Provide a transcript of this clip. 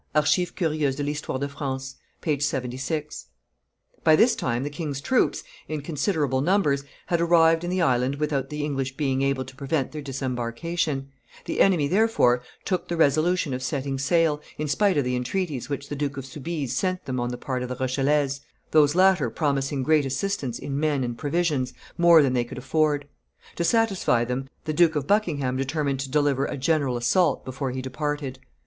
Archives curieuses de l'Histoire de France,_ t. iii. p. 76.] By this time the king's troops, in considerable numbers, had arrived in the island without the English being able to prevent their disembarkation; the enemy therefore took the resolution of setting sail, in spite of the entreaties which the Duke of Soubise sent them on the part of the Rochellese, those latter promising great assistance in men and provisions, more than they could afford. To satisfy them, the Duke of Buckingham determined to deliver a general assault before he departed.